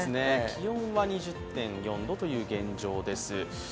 気温は２０．４度という現状です。